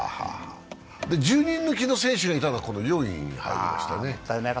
１０人抜きの選手がいたのは、４位でしたね。